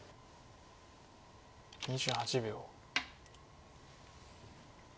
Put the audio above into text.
２８秒。